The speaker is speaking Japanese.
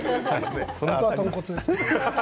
本当は豚骨ですから。